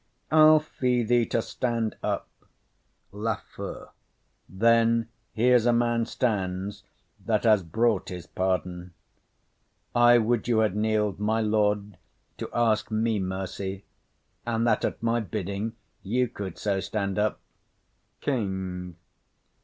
I'll fee thee to stand up. LAFEW. Then here's a man stands that has brought his pardon. I would you had kneel'd, my lord, to ask me mercy, And that at my bidding you could so stand up. KING.